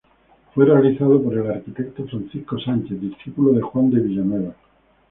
Fue realizada por el arquitecto Francisco Sánchez, discípulo de Juan de Villanueva.